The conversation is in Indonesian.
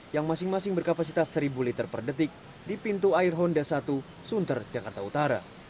yang masing masing berkapasitas seribu liter per detik di pintu air honda satu sunter jakarta utara